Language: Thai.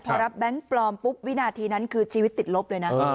พอรับแบงค์ปลอมปุ๊บวินาทีนั้นคือชีวิตติดลบเลยนะ